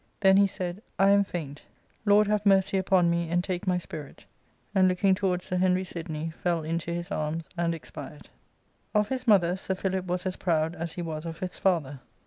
" Then he said, " I am faint ; Lord have mercy upon me, and take my spirit ;" and looking to wards Sir Henry Sidney, fell into his arms and expired. Of his mother Sir Philip was as proud as he was of his father.